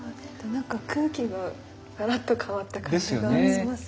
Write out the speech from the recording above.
なんか空気がガラっと変わった感じがしますね。